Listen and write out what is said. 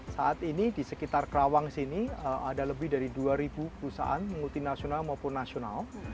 saat ini di sekitar kerawang sini ada lebih dari dua ribu perusahaan multinasional maupun nasional